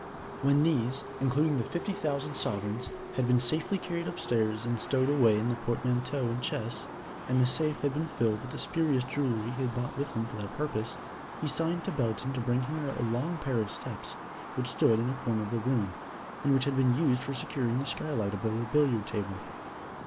When these, including the fifty thousand sovereigns, had been safely carried upstairs and stowed away in the portmanteaux and chests, and the safe had been filled with the spurious jewelry he had brought with him for that purpose, he signed to Belton to bring him a long pair of steps which stood in a corner of the room, and which had been used for securing the skylight above the billiard table.